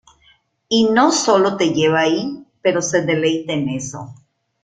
Y no solo te lleva allí, pero se deleita en eso.